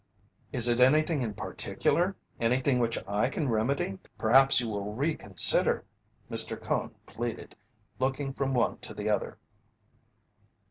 "Is it anything in particular anything which I can remedy? Perhaps you will reconsider." Mr. Cone pleaded, looking from one to the other.